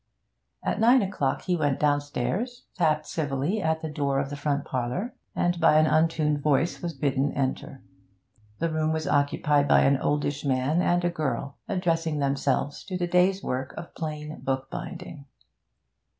At nine o'clock he went downstairs, tapped civilly at the door of the front parlour, and by an untuned voice was bidden enter. The room was occupied by an oldish man and a girl, addressing themselves to the day's work of plain bookbinding.